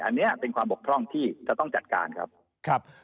อันนี้เป็นความบกพร่องที่จะต้องจัดการครับ